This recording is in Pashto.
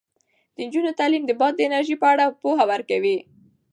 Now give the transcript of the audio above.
د نجونو تعلیم د باد د انرژۍ په اړه پوهه ورکوي.